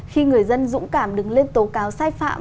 khi người dân dũng cảm đứng lên tố cáo sai phạm